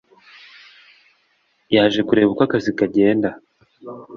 yaje kureba uko akazi kagenda,